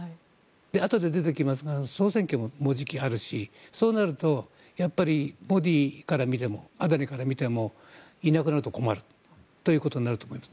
あとで出てきますが総選挙ももうじきあるしそうなるとやっぱりモディから見てもアダニから見てもいなくなると困るということになると思います。